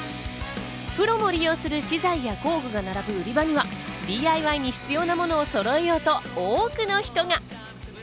プロも利用する資材や工具が並ぶ売り場にはＤＩＹに必要なものをそろえようと多くの人が。